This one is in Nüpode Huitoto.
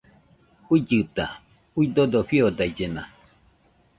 Uillɨta, uidodo fiodaillena